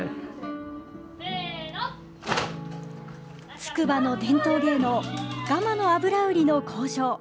つくばの伝統芸能ガマの油売りの口上。